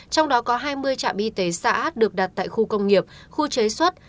trong đó có hai mươi trạm y tế xã được đặt tại khu công nghiệp khu chế xuất